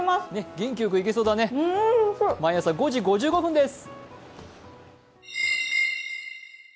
元気よくいけそうだね、毎朝５時５５分です。